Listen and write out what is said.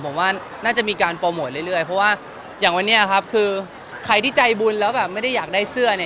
ผมว่าน่าจะมีการโปรโมทเรื่อยเพราะว่าอย่างวันนี้ครับคือใครที่ใจบุญแล้วแบบไม่ได้อยากได้เสื้อเนี่ย